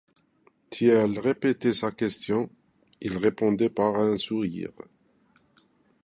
Si elle répétait sa question, il répondait par un sourire.